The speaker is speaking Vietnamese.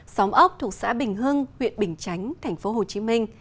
xóm ốc thuộc xã bình hưng huyện bình chánh tp hcm